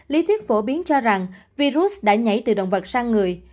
lý thuyết phổ biến cho rằng virus đã nhảy từ động vật sang người